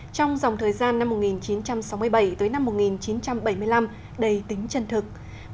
trong dòng thời gian năm một nghìn chín trăm sáu mươi bảy một nghìn chín trăm bảy mươi năm đầy tính chân thực